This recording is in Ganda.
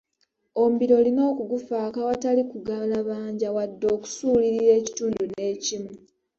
Omubiri olina okugufaako awatali kugalabanja wadde okusuulirira ekitundu n'ekimu.